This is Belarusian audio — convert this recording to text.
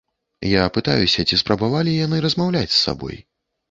Я пытаюся, ці спрабавалі яны размаўляць з сабой?